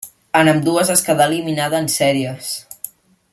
En ambdues quedà eliminada en sèries.